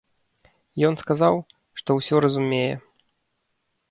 Ён сказаў, што ўсё разумее.